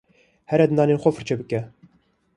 Here diranên xwe firçe bike.